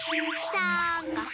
さんかく。